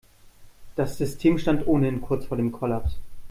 Das System stand ohnehin kurz vor dem Kollaps.